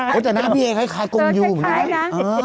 ไม่ใช่หรอกเดี๋ยวน่าพี่ไอ้คล้ายกงยูเหมือนกันนะ